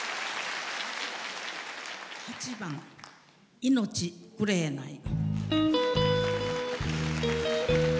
８番「命くれない」。